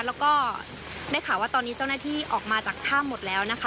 แล้วก็ได้ข่าวว่าตอนนี้เจ้าหน้าที่ออกมาจากถ้ำหมดแล้วนะคะ